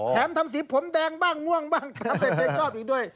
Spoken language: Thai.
ทำสีผมแดงบ้างง่วงบ้างแถมเด็กชอบอีกด้วย